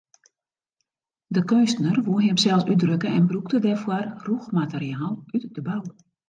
De keunstner woe himsels útdrukke en brûkte dêrfoar rûch materiaal út de bou.